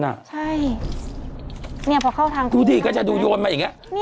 ใช่นี่พอเข้าทางที่นี่ดูดิก็จะดูโยนมาอย่างเงี้ย